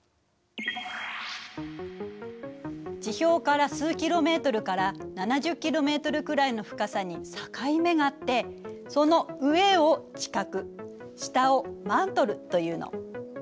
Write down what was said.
地表から数ｋｍから７０ｋｍくらいの深さに境目があってその上を「地殻」下を「マントル」というの。